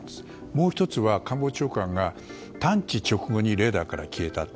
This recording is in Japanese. もう１つは官房長官が探知直後にレーダーから消えたと。